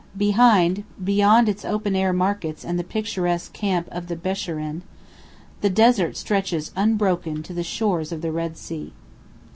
Behind, beyond its open air markets and the picturesque camp of the Besharīn, the desert stretches unbroken to the shores of the Red Sea.